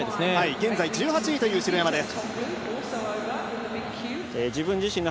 現在１８位という城山です。